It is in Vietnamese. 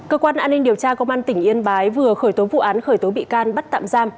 cơ quan an ninh điều tra công an tỉnh yên bái vừa khởi tố vụ án khởi tố bị can bắt tạm giam